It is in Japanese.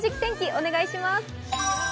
お願いします。